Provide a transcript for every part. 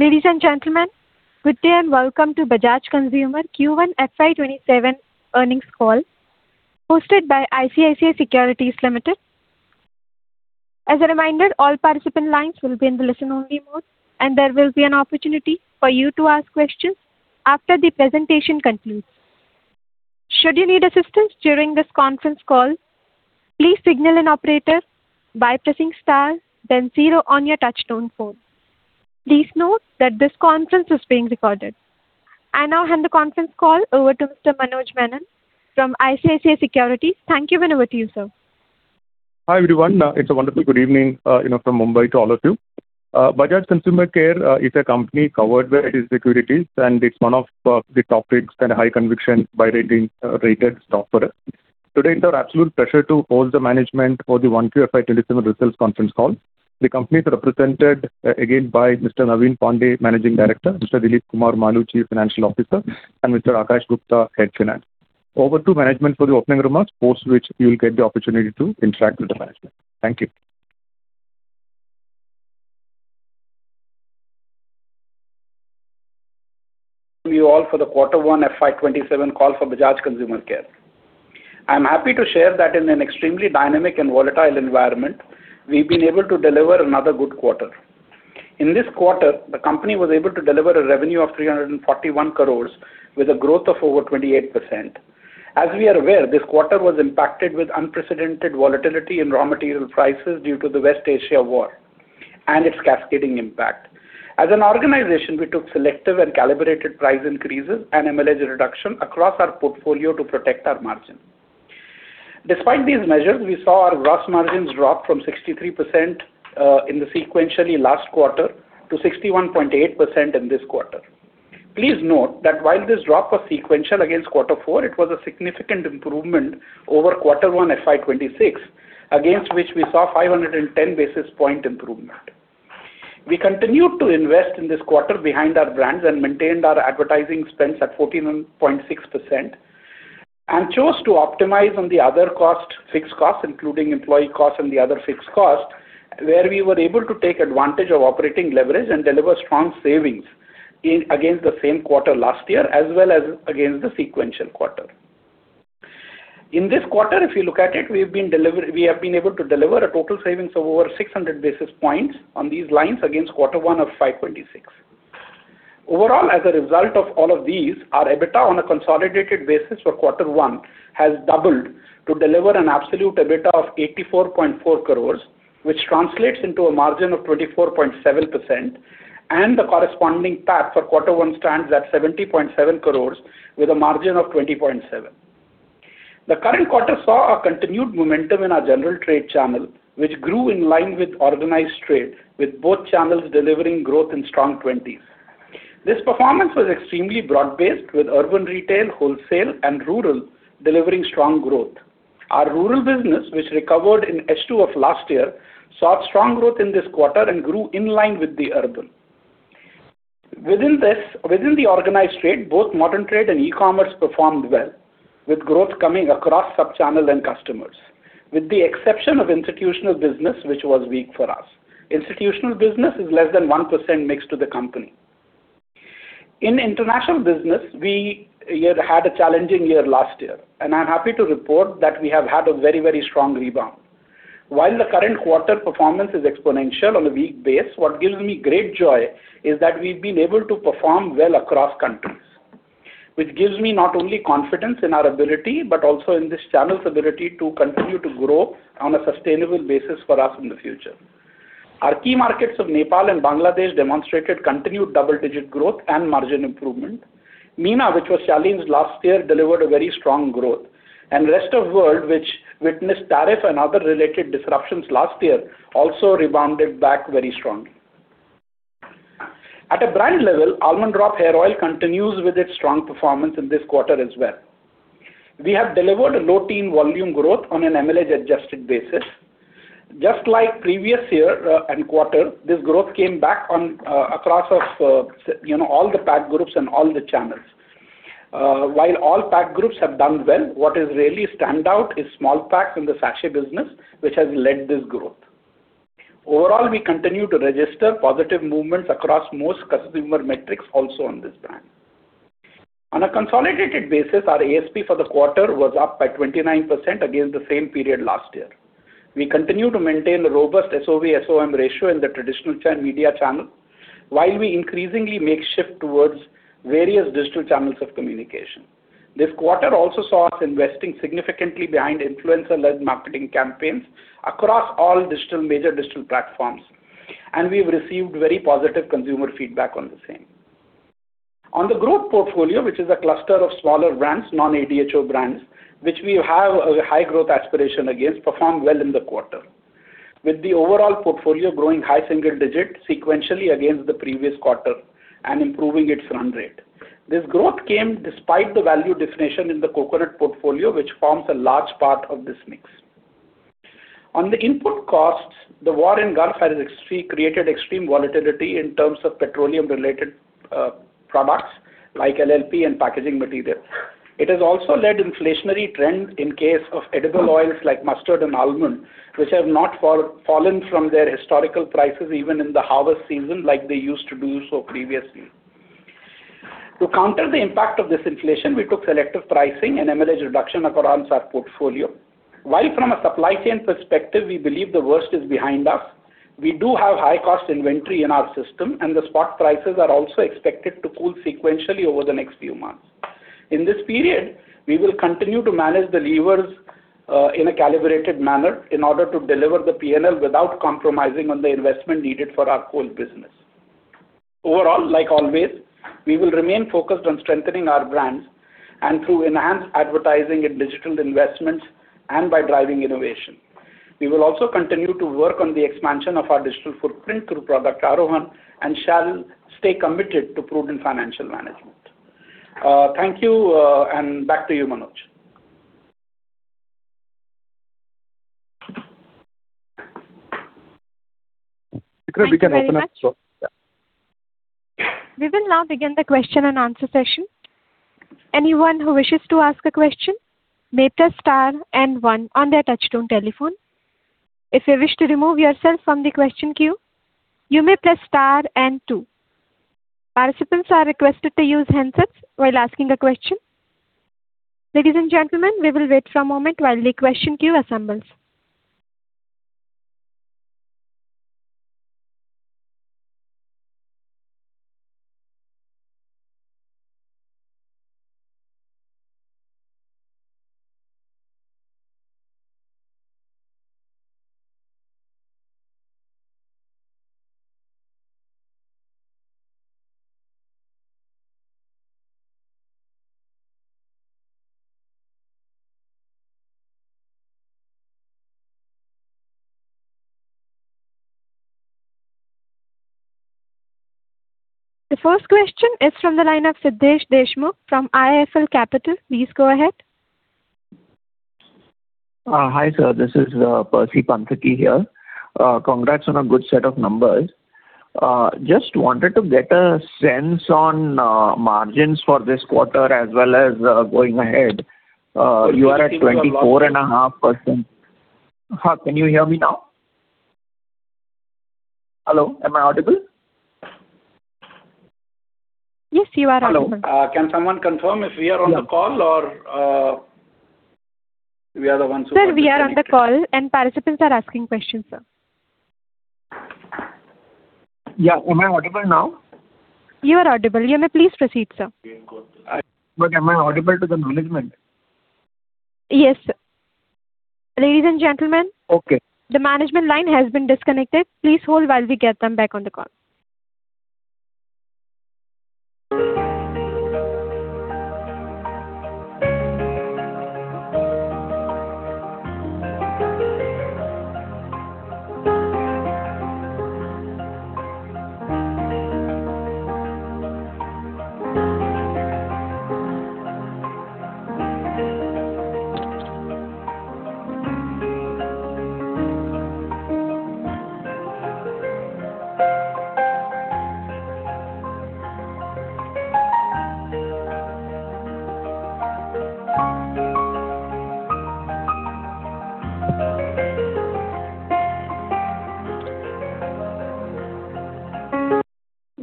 Ladies and gentlemen, good day. Welcome to Bajaj Consumer Care Q1 FY 2027 earnings call, hosted by ICICI Securities Limited. As a reminder, all participant lines will be in the listen-only mode. There will be an opportunity for you to ask questions after the presentation concludes. Should you need assistance during this conference call, please signal an operator by pressing star then zero on your touchtone phone. Please note that this conference is being recorded. I now hand the conference call over to Mr. Manoj Menon from ICICI Securities. Thank you. Over to you, sir. Hi, everyone. It's a wonderful good evening from Mumbai to all of you. Bajaj Consumer Care is a company covered by ICICI Securities. It's one of the top picks and high conviction buy-rated stock for us. Today, it's our absolute pleasure to host the management for the Q1 FY 2027 results conference call. The company is represented again by Mr. Naveen Pandey, Managing Director, Mr. Dilip Kumar Maloo, Chief Financial Officer, and Mr. Aakash Gupta, Head Finance. Over to management for the opening remarks, post which you will get the opportunity to interact with the management. Thank you. Thank you all for the quarter one FY 2027 call for Bajaj Consumer Care. I'm happy to share that in an extremely dynamic and volatile environment, we've been able to deliver another good quarter. In this quarter, the company was able to deliver a revenue of 341 crores with a growth of over 28%. As we are aware, this quarter was impacted with unprecedented volatility in raw material prices due to the West Asia war and its cascading impact. As an organization, we took selective and calibrated price increases and MLH reduction across our portfolio to protect our margin. Despite these measures, we saw our gross margins drop from 63% in the sequentially last quarter to 61.8% in this quarter. Please note that while this drop was sequential against quarter four, it was a significant improvement over quarter one FY 2026, against which we saw 510 basis point improvement. We continued to invest in this quarter behind our brands. Maintained our advertising spends at 14.6%. Chose to optimize on the other fixed costs, including employee costs and the other fixed costs, where we were able to take advantage of operating leverage and deliver strong savings against the same quarter last year as well as against the sequential quarter. In this quarter, if you look at it, we have been able to deliver a total savings of over 600 basis points on these lines against quarter one FY 2026. As a result of all of these, our EBITDA on a consolidated basis for quarter one has doubled to deliver an absolute EBITDA of 84.4 crores, which translates into a margin of 24.7%. The corresponding PAT for quarter one stands at 70.7 crores with a margin of 20.7%. The current quarter saw a continued momentum in our general trade channel, which grew in line with organized trade, with both channels delivering growth in strong 20s. This performance was extremely broad-based, with urban retail, wholesale, and rural delivering strong growth. Our rural business, which recovered in H2 of last year, saw strong growth in this quarter and grew in line with the urban. Within the organized trade, both modern trade and e-commerce performed well, with growth coming across sub-channel and customers, with the exception of institutional business, which was weak for us. Institutional business is less than 1% mixed to the company. In international business, we had a challenging year last year, and I'm happy to report that we have had a very strong rebound. The current quarter performance is exponential on a weak base, what gives me great joy is that we've been able to perform well across countries, which gives me not only confidence in our ability, but also in this channel's ability to continue to grow on a sustainable basis for us in the future. Our key markets of Nepal and Bangladesh demonstrated continued double-digit growth and margin improvement. MENA, which was challenged last year, delivered a very strong growth, and rest of world, which witnessed tariff and other related disruptions last year, also rebounded back very strongly. At a brand level, Almond Drops Hair Oil continues with its strong performance in this quarter as well. We have delivered a low teen volume growth on an MLH-adjusted basis. Just like previous year and quarter, this growth came back across all the pack groups and all the channels. All pack groups have done well, what is really stand out is small packs in the sachet business, which has led this growth. Overall, we continue to register positive movements across most customer metrics also on this brand. On a consolidated basis, our ASP for the quarter was up by 29% against the same period last year. We continue to maintain a robust SOV SOM ratio in the traditional media channel, while we increasingly make shift towards various digital channels of communication. This quarter also saw us investing significantly behind influencer-led marketing campaigns across all major digital platforms, and we've received very positive consumer feedback on the same. On the growth portfolio, which is a cluster of smaller brands, non-ADHO brands, which we have a high growth aspiration against, performed well in the quarter, with the overall portfolio growing high single digit sequentially against the previous quarter and improving its run rate. This growth came despite the value definition in the Coconut portfolio, which forms a large part of this mix. On the input costs, the war in Gulf has created extreme volatility in terms of petroleum-related products like LLP and packaging material. It has also led inflationary trends in case of edible oils like mustard and almond, which have not fallen from their historical prices even in the harvest season like they used to do so previously. To counter the impact of this inflation, we took selective pricing and MLH reduction across our portfolio. While from a supply chain perspective, we believe the worst is behind us, we do have high cost inventory in our system, and the spot prices are also expected to cool sequentially over the next few months. In this period, we will continue to manage the levers in a calibrated manner in order to deliver the P&L without compromising on the investment needed for our core business. Overall, like always, we will remain focused on strengthening our brands and through enhanced advertising and digital investments and by driving innovation. We will also continue to work on the expansion of our digital footprint through Project Aarohan and shall stay committed to prudent financial management. Thank you, and back to you, Manoj. We can open up the floor. Thank you very much. We will now begin the question and answer session. Anyone who wishes to ask a question may press star and one on their touch-tone telephone. If you wish to remove yourself from the question queue, you may press star and two. Participants are requested to use handsets while asking a question. Ladies and gentlemen, we will wait for a moment while the question queue assembles. The first question is from the line of Siddhesh Deshmukh from IIFL Capital. Please go ahead. Hi, sir. This is Percy Panthaki here. Congrats on a good set of numbers. Just wanted to get a sense on margins for this quarter, as well as going ahead. You are at 24.5%. Hi, can you hear me now? Hello, am I audible? Yes, you are audible. Hello. Can someone confirm if we are on the call or we are the ones who are disconnected. Sir, we are on the call and participants are asking questions, sir. Yeah. Am I audible now? You are audible. You may please proceed, sir. Am I audible to the management? Yes, sir. Ladies and gentlemen. Okay. The management line has been disconnected. Please hold while we get them back on the call.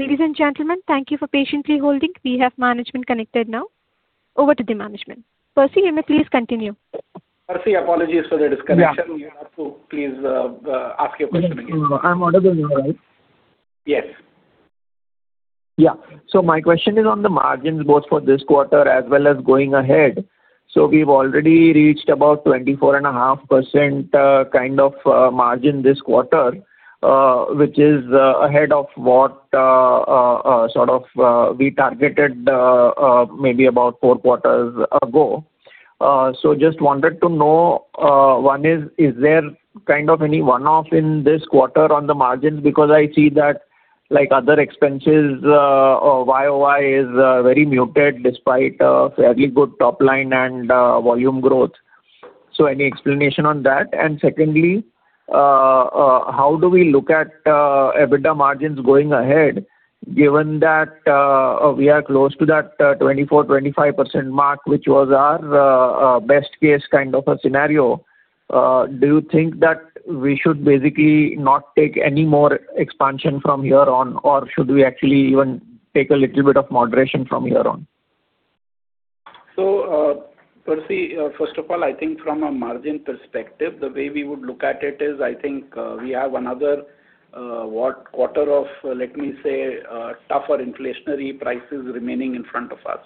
Ladies and gentlemen, thank you for patiently holding. We have management connected now. Over to the management. Percy, you may please continue. Percy, apologies for the disconnection. You have to please ask your question again. Yes. I am audible now, right? Yes. My question is on the margins, both for this quarter as well as going ahead. We've already reached about 24.5% kind of margin this quarter, which is ahead of what we targeted maybe about four quarters ago. Just wanted to know, one is there any one-off in this quarter on the margins? Because I see that other expenses YoY is very muted despite a fairly good top line and volume growth. Any explanation on that? Secondly, how do we look at EBITDA margins going ahead, given that we are close to that 24%-25% mark, which was our best-case kind of a scenario. Do you think that we should basically not take any more expansion from here on, or should we actually even take a little bit of moderation from here on? Percy, first of all, I think from a margin perspective, the way we would look at it is, I think we have another quarter of, let me say, tougher inflationary prices remaining in front of us.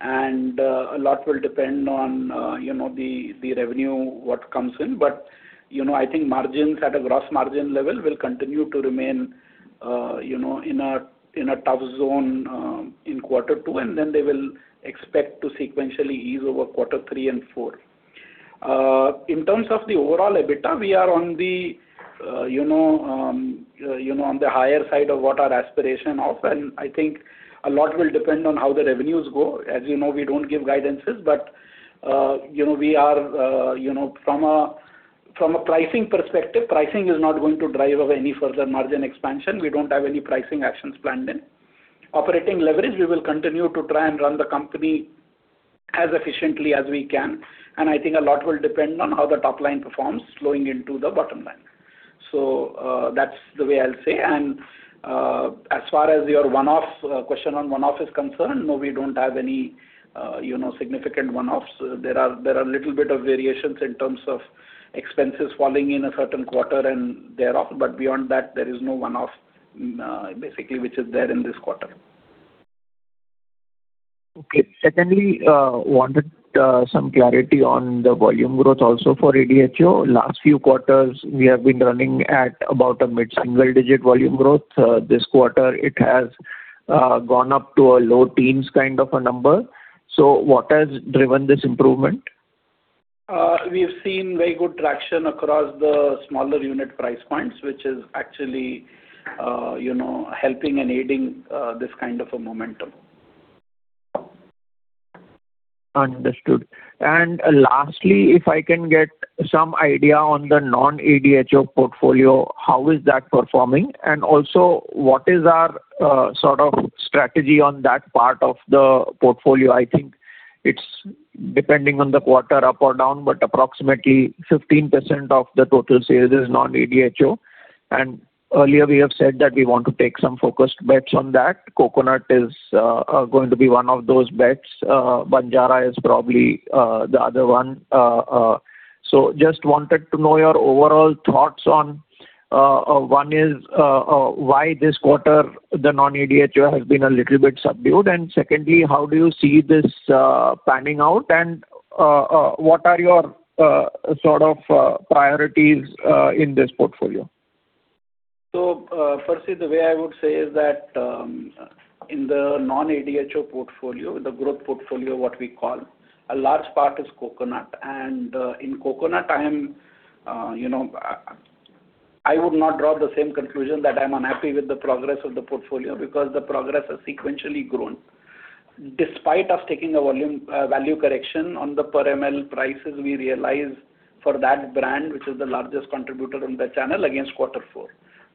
A lot will depend on the revenue, what comes in. I think margins at a gross margin level will continue to remain in a tough zone in quarter two, and then they will expect to sequentially ease over quarter three and four. In terms of the overall EBITDA, we are on the higher side of what our aspiration of, I think a lot will depend on how the revenues go. As you know, we don't give guidances, from a pricing perspective, pricing is not going to drive up any further margin expansion. We don't have any pricing actions planned in. Operating leverage, we will continue to try and run the company as efficiently as we can, I think a lot will depend on how the top line performs flowing into the bottom line. That's the way I'll say. As far as your question on one-offs is concerned, no, we don't have any significant one-offs. There are little bit of variations in terms of expenses falling in a certain quarter and thereof, but beyond that, there is no one-off, basically, which is there in this quarter. Secondly, wanted some clarity on the volume growth also for ADHO. Last few quarters, we have been running at about a mid-single digit volume growth. This quarter, it has gone up to a low teens kind of a number. What has driven this improvement? We have seen very good traction across the smaller unit price points, which is actually helping and aiding this kind of a momentum. Understood. Lastly, if I can get some idea on the non-ADHO portfolio, how is that performing? Also, what is our strategy on that part of the portfolio? I think it's depending on the quarter, up or down, but approximately 15% of the total sales is non-ADHO. Earlier, we have said that we want to take some focused bets on that. Coconut is going to be one of those bets. Banjara's is probably the other one. Just wanted to know your overall thoughts on, one is why this quarter the non-ADHO has been a little bit subdued, and secondly, how do you see this panning out, and what are your priorities in this portfolio? Firstly, the way I would say is that in the non-ADHO portfolio, the growth portfolio, what we call, a large part is Coconut. In Coconut, I would not draw the same conclusion that I'm unhappy with the progress of the portfolio because the progress has sequentially grown. Despite us taking a value correction on the per ml prices we realize for that brand, which is the largest contributor in the channel against quarter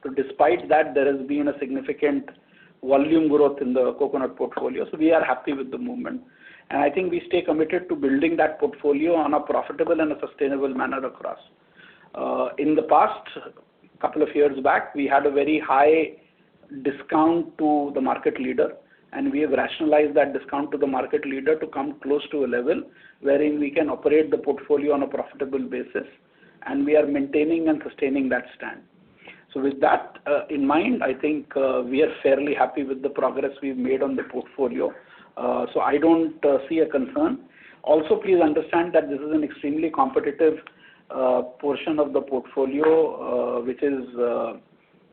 four. Despite that, there has been a significant volume growth in the Coconut portfolio. We are happy with the movement. I think we stay committed to building that portfolio on a profitable and a sustainable manner across. In the past couple of years back, we had a very high discount to the market leader. We have rationalized that discount to the market leader to come close to a level wherein we can operate the portfolio on a profitable basis. We are maintaining and sustaining that stand. With that in mind, I think we are fairly happy with the progress we've made on the portfolio. I don't see a concern. Also, please understand that this is an extremely competitive portion of the portfolio,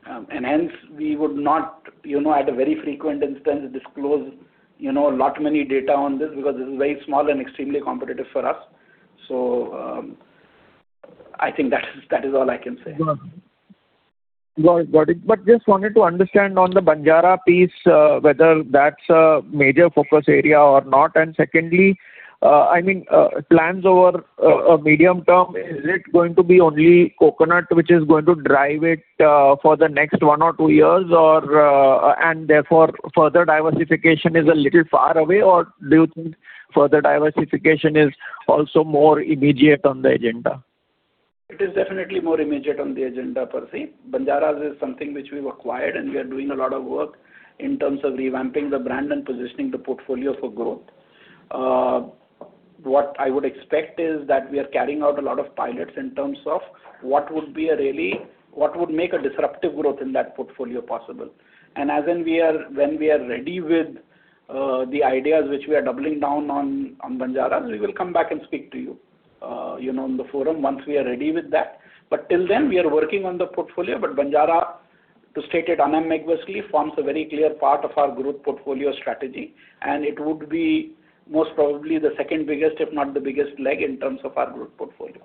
and hence we would not, at a very frequent instance, disclose not many data on this because this is very small and extremely competitive for us. I think that is all I can say. Got it. Just wanted to understand on the Banjara's piece, whether that's a major focus area or not. Secondly, plans over a medium term, is it going to be only Coconut which is going to drive it for the next one or two years, and therefore further diversification is a little far away? Do you think further diversification is also more immediate on the agenda? It is definitely more immediate on the agenda, Percy. Banjara's is something which we've acquired. We are doing a lot of work in terms of revamping the brand and positioning the portfolio for growth. What I would expect is that we are carrying out a lot of pilots in terms of what would make a disruptive growth in that portfolio possible. When we are ready with the ideas which we are doubling down on Banjara's, we will come back and speak to you in the forum once we are ready with that. Till then, we are working on the portfolio, but Banjara's, to state it unambiguously, forms a very clear part of our growth portfolio strategy, and it would be most probably the second biggest, if not the biggest leg in terms of our growth portfolio.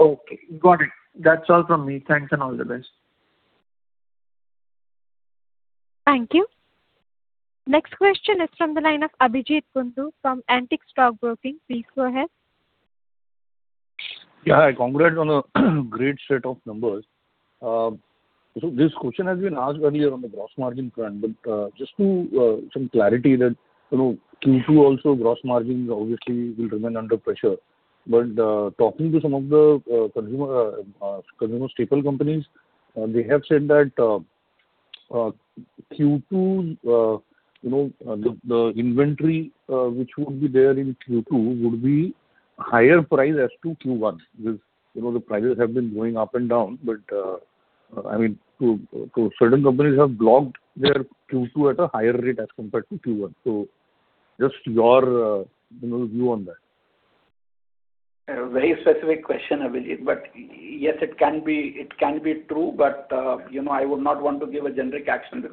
Okay. Got it. That's all from me. Thanks, and all the best. Thank you. Next question is from the line of Abhijeet Kundu from Antique Stock Broking. Please go ahead. Yeah. Congrats on a great set of numbers. This question has been asked earlier on the gross margin front, just some clarity that Q2 also gross margin obviously will remain under pressure. Talking to some of the consumer staple companies, they have said that the inventory which would be there in Q2 would be higher price as to Q1. The prices have been going up and down, certain companies have blocked their Q2 at a higher rate as compared to Q1. Just your view on that. A very specific question, Abhijeet. Yes, it can be true, I would not want to give a generic answer.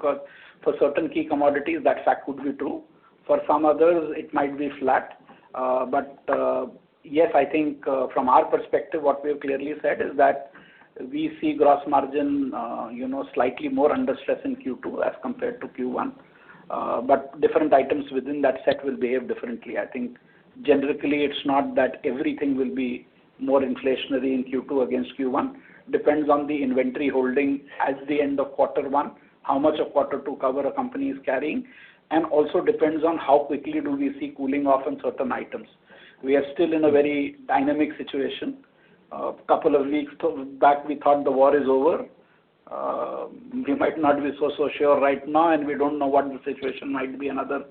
For certain key commodities, that fact could be true. For some others, it might be flat. Yes, I think from our perspective, what we've clearly said is that we see gross margin slightly more under stress in Q2 as compared to Q1. Different items within that set will behave differently. I think generally, it's not that everything will be more inflationary in Q2 against Q1. Depends on the inventory holding at the end of quarter one, how much of quarter two cover a company is carrying, and also depends on how quickly do we see cooling off in certain items. We are still in a very dynamic situation. A couple of weeks back, we thought the war is over. We might not be so sure right now, we don't know what the situation might be another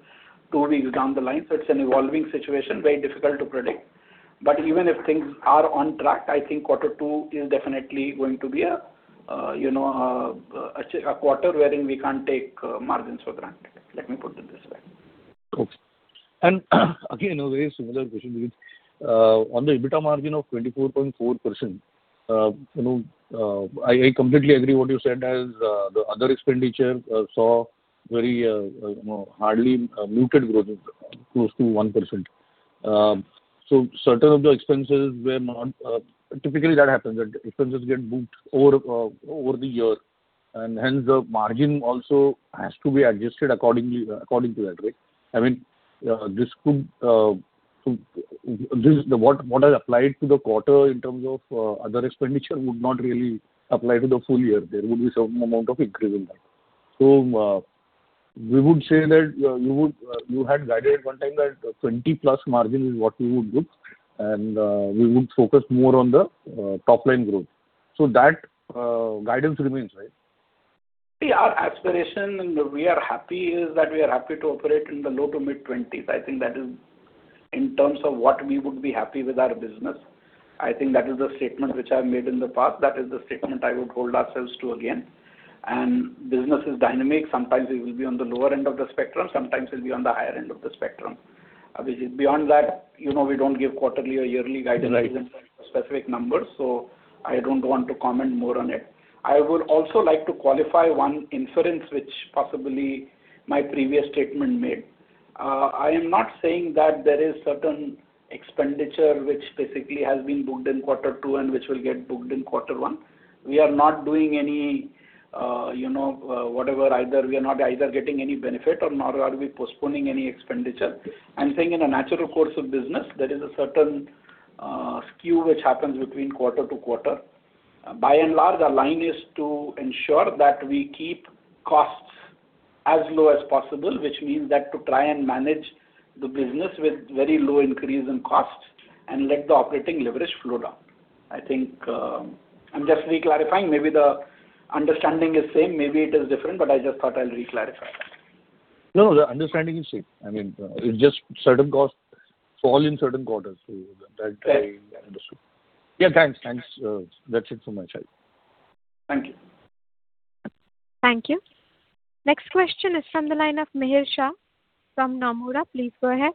two weeks down the line. It's an evolving situation, very difficult to predict. Even if things are on track, I think quarter two is definitely going to be a quarter wherein we can't take margins for granted. Let me put it this way. Again, a very similar question because on the EBITDA margin of 24.4%, I completely agree what you said as the other expenditure saw very hardly muted growth, close to 1%. Typically that happens, that expenses get booked over the year, and hence, the margin also has to be adjusted according to that, right? What has applied to the quarter in terms of other expenditure would not really apply to the full year. There would be some amount of increase in that. We would say that you had guided one time that 20+ margin is what we would book, and we would focus more on the top-line growth. That guidance remains, right? Our aspiration and we are happy is that we are happy to operate in the low to mid-20s. I think that is in terms of what we would be happy with our business. I think that is the statement which I've made in the past. That is the statement I would hold ourselves to again. Business is dynamic. Sometimes it will be on the lower end of the spectrum, sometimes it'll be on the higher end of the spectrum. Beyond that, we don't give quarterly or yearly guidance. Right In terms of specific numbers, I don't want to comment more on it. I would also like to qualify one inference, which possibly my previous statement made. I am not saying that there is certain expenditure which basically has been booked in quarter two and which will get booked in quarter one. We are not either getting any benefit nor are we postponing any expenditure. I'm saying in a natural course of business, there is a certain skew which happens between quarter to quarter. By and large, our line is to ensure that we keep costs as low as possible, which means that to try and manage the business with very low increase in costs and let the operating leverage flow down. I'm just re-clarifying. Maybe the understanding is same, maybe it is different, but I just thought I'll re-clarify that. The understanding is same. It's just certain costs fall in certain quarters. Right. That I understood. Yeah, thanks. That's it from my side. Thank you. Thank you. Next question is from the line of Mihir Shah from Nomura. Please go ahead.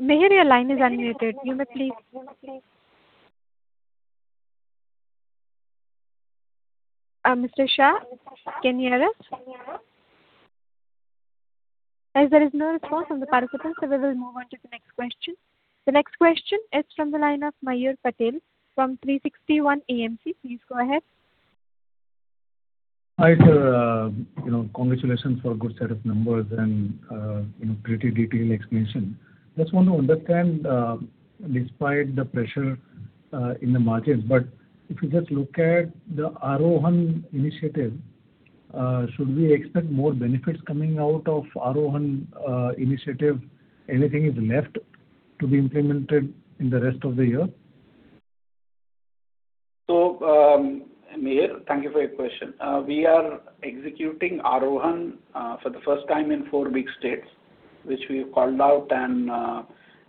Mihir, your line is unmuted. Do you want to please Mr. Shah, can you hear us? As there is no response from the participant, we will move on to the next question. The next question is from the line of Mayur Patel from 360 ONE AMC. Please go ahead. Hi, sir. Congratulations for a good set of numbers and pretty detailed explanation. Just want to understand, despite the pressure in the margins, if you just look at the Aarohan initiative, should we expect more benefits coming out of Aarohan initiative? Anything is left to be implemented in the rest of the year? Mayur, thank you for your question. We are executing Aarohan for the first time in four big states, which we have called out and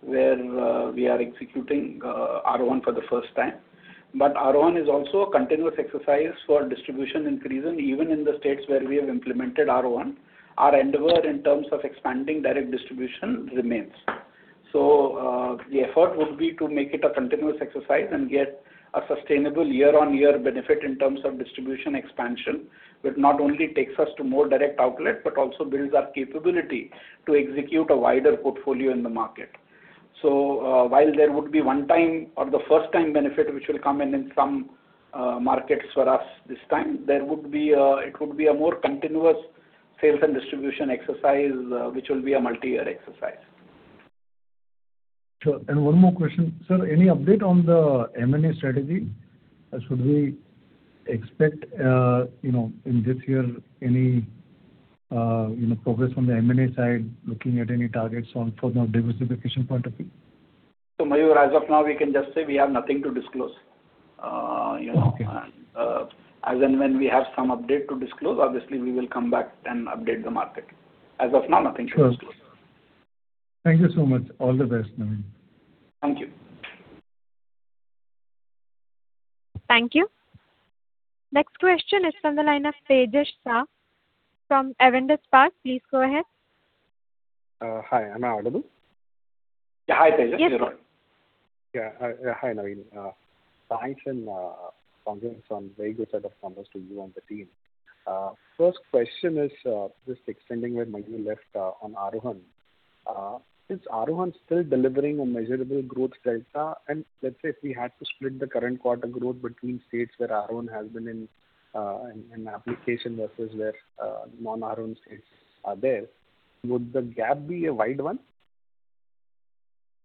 where we are executing Aarohan for the first time. Aarohan is also a continuous exercise for distribution increase. Even in the states where we have implemented Aarohan, our endeavor in terms of expanding direct distribution remains. The effort would be to make it a continuous exercise and get a sustainable year-on-year benefit in terms of distribution expansion, which not only takes us to more direct outlet, but also builds our capability to execute a wider portfolio in the market. While there would be one time or the first time benefit which will come in some markets for us this time, it would be a more continuous sales and distribution exercise, which will be a multi-year exercise. Sure. One more question. Sir, any update on the M&A strategy? Should we expect in this year any progress from the M&A side, looking at any targets from a diversification point of view? Mayur, as of now, we can just say we have nothing to disclose. Okay. As and when we have some update to disclose, obviously, we will come back and update the market. As of now, nothing to disclose. Sure. Thank you so much. All the best, Naveen. Thank you. Thank you. Next question is from the line of Tejas Shah from Avendus Spark. Please go ahead. Hi, am I audible? Yeah, hi, Tejas. We hear you. Yeah. Hi, Naveen. Thanks and congratulations on very good set of numbers to you and the team. First question is just extending where Mayur left on Aarohan. Is Aarohan still delivering a measurable growth delta? Let's say if we had to split the current quarter growth between states where Aarohan has been in application versus where non-Aarohan states are there, would the gap be a wide one?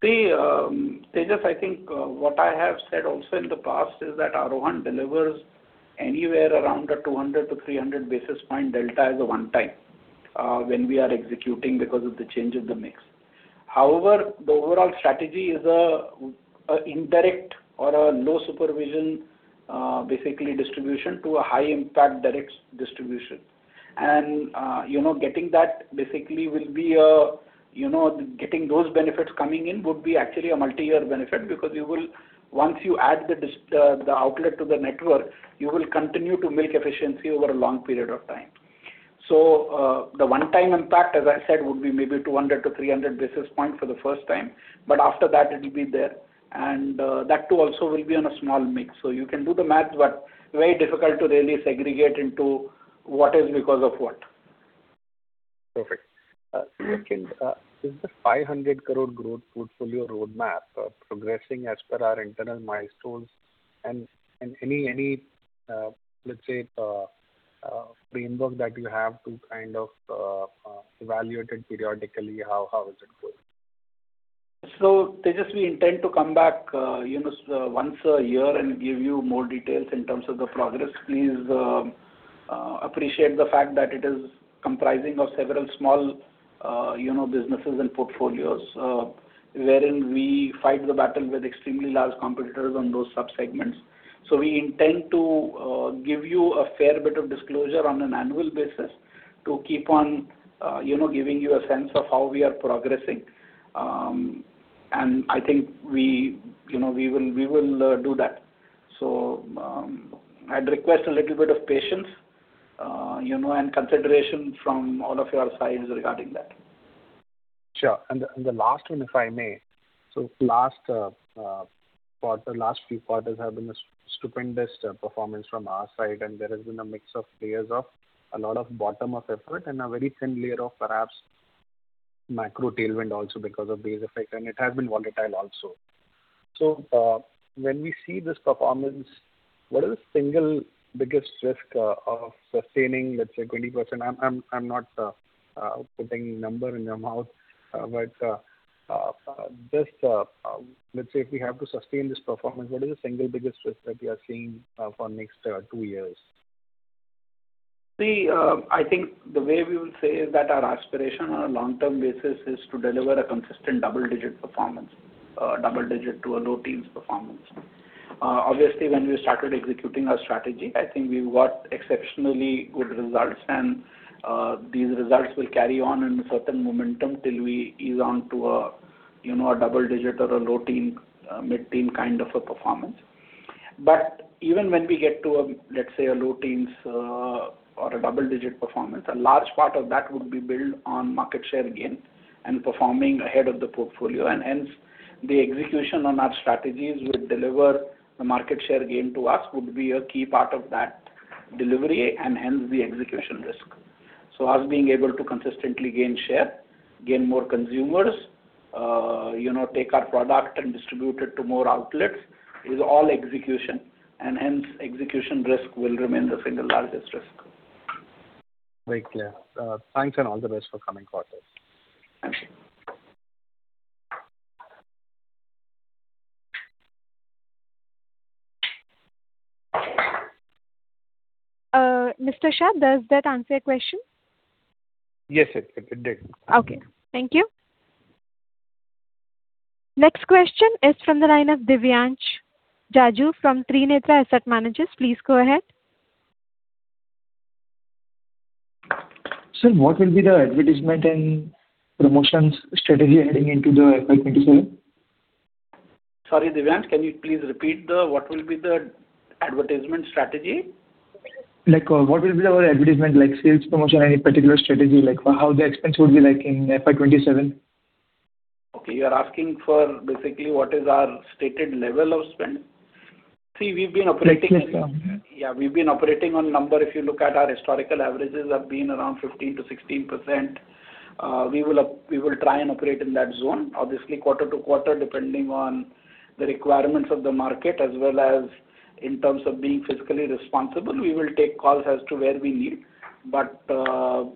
Tejas, I think what I have said also in the past is that Aarohan delivers anywhere around a 200 to 300 basis point delta as a one time when we are executing because of the change in the mix. However, the overall strategy is an indirect or a low supervision, basically distribution to a high impact direct distribution. Getting those benefits coming in would be actually a multi-year benefit because once you add the outlet to the network, you will continue to make efficiency over a long period of time. The one time impact, as I said, would be maybe 200 to 300 basis point for the first time, but after that it'll be there. That too also will be on a small mix. You can do the math, but very difficult to really segregate into what is because of what. Perfect. Second, is the 500 crore growth portfolio roadmap progressing as per our internal milestones? Any, let's say, framework that you have to kind of evaluate it periodically, how is it going? Tejas, we intend to come back once a year and give you more details in terms of the progress. Please appreciate the fact that it is comprising of several small businesses and portfolios, wherein we fight the battle with extremely large competitors on those sub-segments. We intend to give you a fair bit of disclosure on an annual basis to keep on giving you a sense of how we are progressing. I think we will do that. I'd request a little bit of patience and consideration from all of your sides regarding that. Sure. The last one, if I may. The last few quarters have been a stupendous performance from our side, there has been a mix of layers of a lot of bottom-up effort and a very thin layer of perhaps macro tailwind also because of base effect, it has been volatile also. When we see this performance, what is the single biggest risk of sustaining, let's say 20%? I'm not putting number in your mouth. Let's say if we have to sustain this performance, what is the single biggest risk that we are seeing for next two years? I think the way we will say is that our aspiration on a long-term basis is to deliver a consistent double digit to a low teens performance. Obviously, when we started executing our strategy, I think we got exceptionally good results and these results will carry on in certain momentum till we ease on to a double digit or a low teen, mid-teen kind of a performance. Even when we get to, let's say, a low teens or a double digit performance, a large part of that would be built on market share gain and performing ahead of the portfolio. Hence the execution on our strategies will deliver the market share gain to us would be a key part of that delivery and hence the execution risk. Us being able to consistently gain share, gain more consumers, take our product and distribute it to more outlets is all execution, hence execution risk will remain the single largest risk. Very clear. Thanks, and all the best for coming quarters. Thank you. Mr. Shah, does that answer your question? Yes, it did. Okay. Thank you. Next question is from the line of Divyansh Jaju from Trinetra Asset Managers. Please go ahead. Sir, what will be the advertisement and promotions strategy heading into the FY 2027? Sorry, Divyansh, can you please repeat? What will be the advertisement strategy? What will be our advertisement like sales promotion, any particular strategy, like how the expense would be like in FY 2027? Okay. You're asking for basically what is our stated level of spend. See, we've been operating on number. If you look at our historical averages have been around 15%-16%. We will try and operate in that zone. Obviously, quarter-to-quarter, depending on the requirements of the market as well as in terms of being fiscally responsible, we will take calls as to where we need. As I've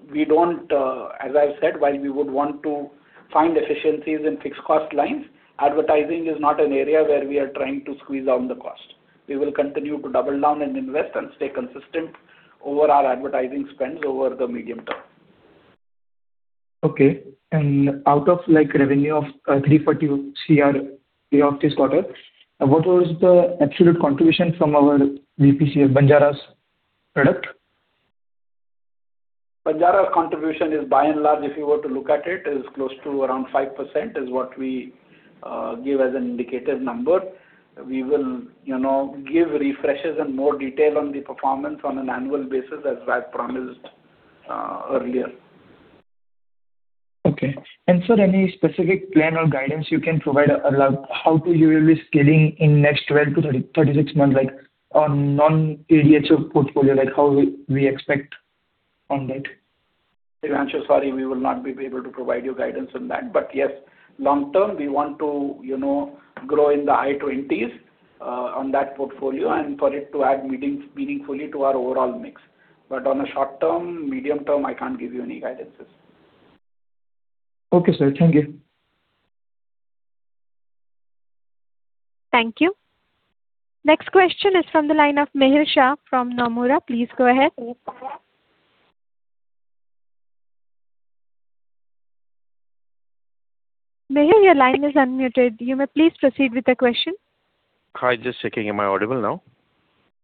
said, while we would want to find efficiencies in fixed cost lines, advertising is not an area where we are trying to squeeze down the cost. We will continue to double down and invest and stay consistent over our advertising spends over the medium term. Okay. Out of revenue of 340 crore pay off this quarter, what was the absolute contribution from our Vishal Personal Care or Banjara's product? Banjara's contribution is by and large, if you were to look at it, is close to around 5%, is what we give as an indicative number. We will give refreshes and more detail on the performance on an annual basis as I promised earlier. Okay. Sir, any specific plan or guidance you can provide around how you will be scaling in next 12-36 months like On non-ADHO portfolio, how we expect on that? Divyansh, sorry, we will not be able to provide you guidance on that. Yes, long-term, we want to grow in the high 20s on that portfolio and for it to add meaningfully to our overall mix. On a short-term, medium-term, I can't give you any guidances. Okay, sir. Thank you. Thank you. Next question is from the line of Mihir Shah from Nomura. Please go ahead. Mihir, your line is unmuted. You may please proceed with the question. Hi, just checking. Am I audible now?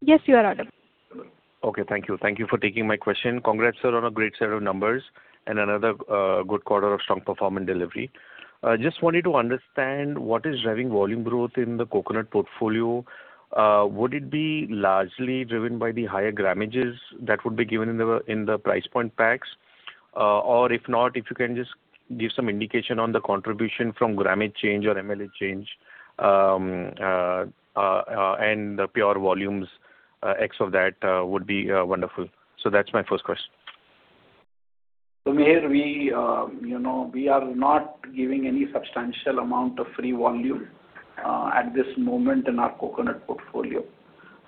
Yes, you are audible. Okay, thank you. Thank you for taking my question. Congrats sir, on a great set of numbers and another good quarter of strong performance delivery. Just wanted to understand what is driving volume growth in the Coconut portfolio. Would it be largely driven by the higher grammages that would be given in the price point packs? Or if not, if you can just give some indication on the contribution from grammage change or MLA change, and the PR volumes, X of that would be wonderful. That's my first question. Mihir, we are not giving any substantial amount of free volume at this moment in our Coconut portfolio.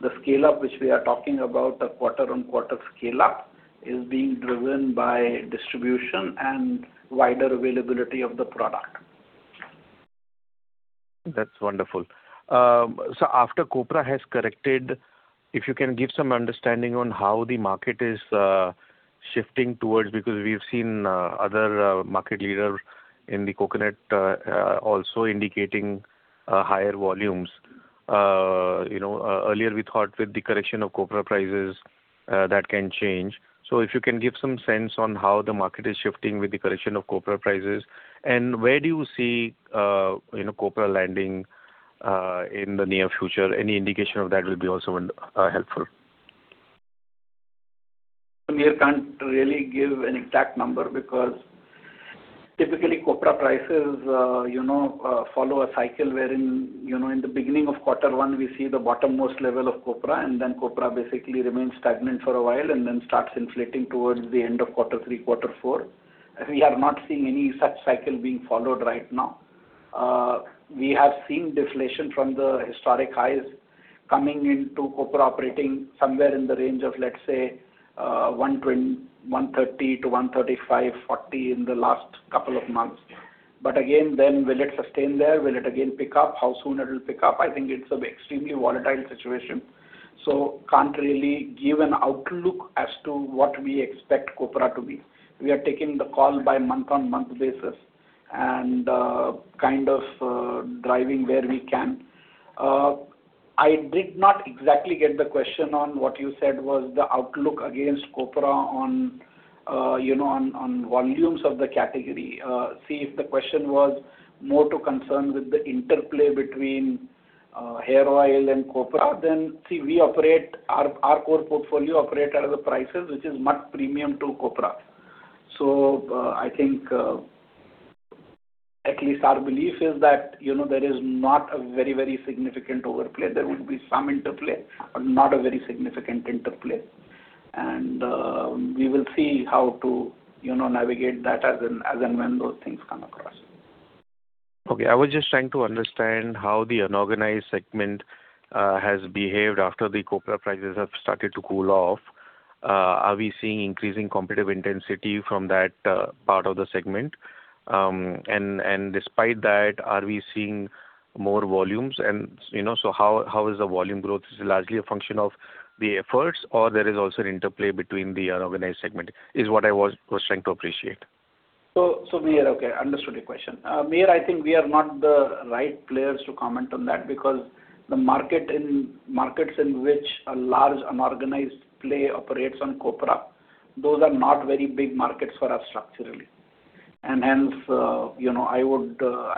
The scale-up which we are talking about, the quarter-on-quarter scale-up, is being driven by distribution and wider availability of the product. That's wonderful. After copra has corrected, if you can give some understanding on how the market is shifting towards, because we've seen other market leader in the Coconut, also indicating higher volumes. Earlier we thought with the correction of copra prices, that can change. If you can just give some sense on how the market is shifting with the correction of copra prices, and where do you see copra landing, in the near future? Any indication of that will be also helpful. Mihir, can't really give an exact number because typically copra prices follow a cycle wherein, in the beginning of quarter one, we see the bottom-most level of copra. Then copra basically remains stagnant for a while and then starts inflating towards the end of quarter three, quarter four. We are not seeing any such cycle being followed right now. We have seen deflation from the historic highs coming into copra operating somewhere in the range of, let's say, 130 to 135, 40 in the last couple of months. Again, then will it sustain there? Will it again pick up? How soon it'll pick up? I think it's an extremely volatile situation. Can't really give an outlook as to what we expect copra to be. We are taking the call by month-on-month basis and kind of driving where we can. I did not exactly get the question on what you said was the outlook against copra on volumes of the category. If the question was more to concern with the interplay between hair oil and copra, then see, our core portfolio operate at the prices which is much premium to copra. I think, at least our belief is that, there is not a very, very significant overlay. There will be some interplay, but not a very significant interplay. We will see how to navigate that as and when those things come across. Okay. I was just trying to understand how the unorganized segment has behaved after the copra prices have started to cool off. Are we seeing increasing competitive intensity from that part of the segment? Despite that, are we seeing more volumes? How is the volume growth? Is it largely a function of the efforts or there is also an interplay between the unorganized segment, is what I was trying to appreciate. Mihir, okay, understood your question. Mihir, I think we are not the right players to comment on that because the markets in which a large unorganized play operates on copra, those are not very big markets for us structurally. Hence, I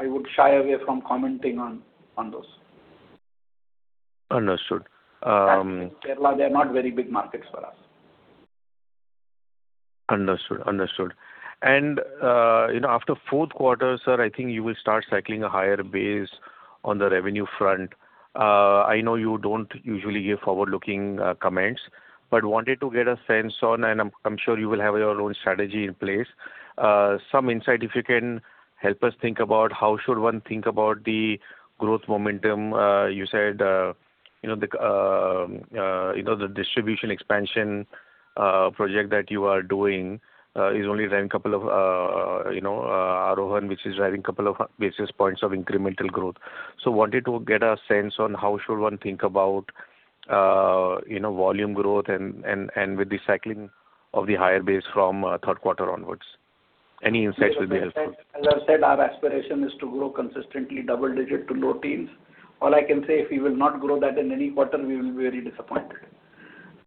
would shy away from commenting on those. Understood. They're not very big markets for us. Understood. Understood. After fourth quarter, sir, I think you will start cycling a higher base on the revenue front. I know you don't usually give forward-looking comments, but wanted to get a sense on, and I'm sure you will have your own strategy in place. Some insight, if you can help us think about how should one think about the growth momentum. You said the distribution expansion project that you are doing is only driving couple of Aarohan, which is driving couple of basis points of incremental growth. Wanted to get a sense on how should one think about volume growth and with the cycling of the higher base from third quarter onwards. Any insights will be helpful. As I said, our aspiration is to grow consistently double digit to low teens. All I can say, if we will not grow that in any quarter, we will be very disappointed.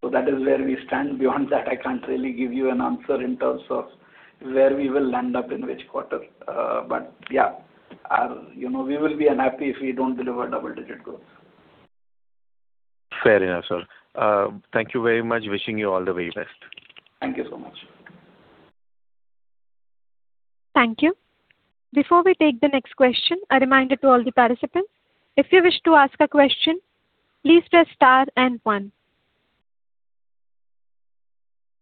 That is where we stand. Beyond that, I can't really give you an answer in terms of where we will land up in which quarter. Yeah, we will be unhappy if we don't deliver double-digit growth. Fair enough, sir. Thank you very much. Wishing you all the very best. Thank you so much. Thank you. Before we take the next question, a reminder to all the participants, if you wish to ask a question, please press star and one.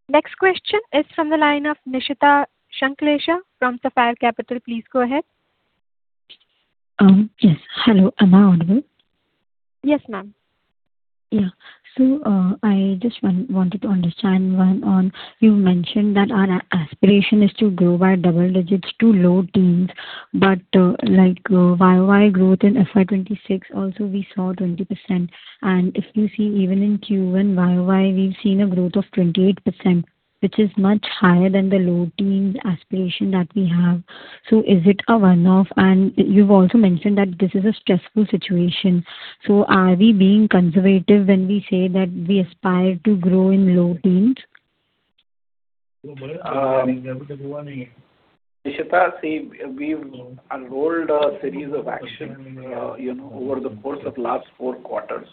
Next question is from the line of Nishita Shanklesha from Sapphire Capital. Please go ahead. Yes. Hello, am I audible? Yes, ma'am. Yeah. I just wanted to understand one on, you mentioned that our aspiration is to grow by double digits to low teens, but like YoY growth in FY 2026, also we saw 20%. If you see even in Q1 YoY, we've seen a growth of 28%, which is much higher than the low teens aspiration that we have. Is it a one-off? You've also mentioned that this is a stressful situation. Are we being conservative when we say that we aspire to grow in low teens? Nishita, see, we've enrolled a series of action over the course of last four quarters,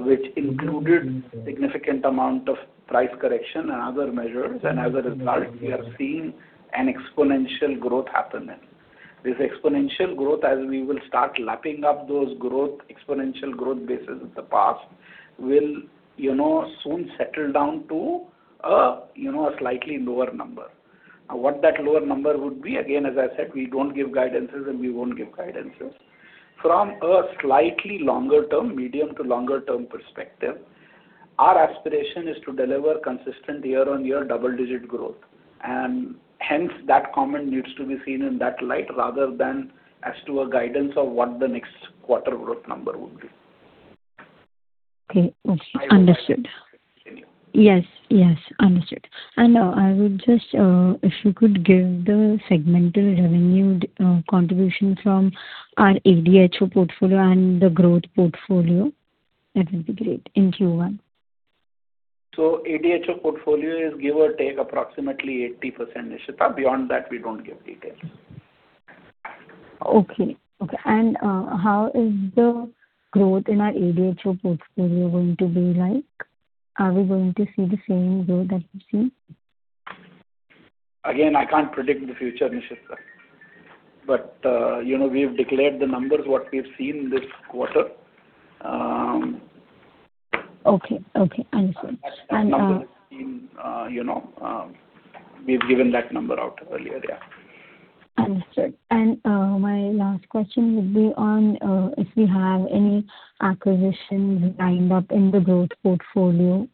which included significant amount of price correction and other measures. As a result, we are seeing an exponential growth happening. This exponential growth as we will start lapping up those exponential growth bases of the past will soon settle down to a slightly lower number. What that lower number would be, again, as I said, we don't give guidances, and we won't give guidances. From a slightly longer term, medium to longer term perspective, our aspiration is to deliver consistent year-on-year double-digit growth. Hence, that comment needs to be seen in that light rather than as to a guidance of what the next quarter growth number would be. Okay. Understood. I hope I answered. Yes. Understood. If you could give the segmental revenue contribution from our ADHO portfolio and the growth portfolio, that will be great, in Q1. ADHO portfolio is give or take approximately 80%, Nishita. Beyond that, we don't give details. Okay. How is the growth in our ADHO portfolio going to be like? Are we going to see the same growth that we've seen? Again, I can't predict the future, Nishita. We've declared the numbers, what we've seen this quarter. Okay. Understood. That number. We've given that number out earlier, yeah. Understood. My last question would be on if we have any acquisitions lined up in the growth portfolio.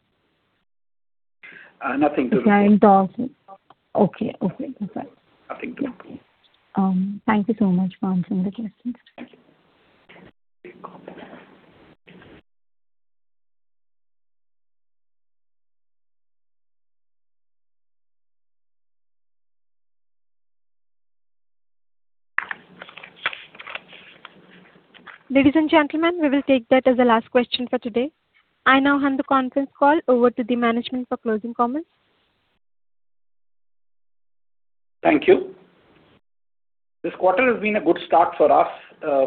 Nothing to reveal. If you are in talks. Okay. That's fine. Nothing to reveal. Thank you so much for answering the questions. Thank you. Ladies and gentlemen, we will take that as the last question for today. I now hand the conference call over to the management for closing comments. Thank you. This quarter has been a good start for us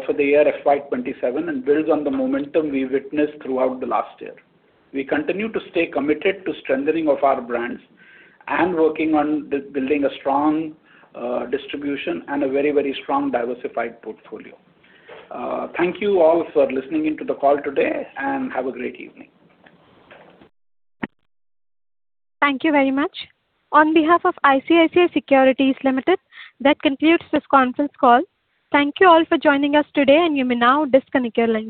for the year FY 2027 and builds on the momentum we witnessed throughout the last year. We continue to stay committed to strengthening of our brands and working on building a strong distribution and a very strong diversified portfolio. Thank you all for listening in to the call today, and have a great evening. Thank you very much. On behalf of ICICI Securities Limited, that concludes this conference call. Thank you all for joining us today, and you may now disconnect your lines.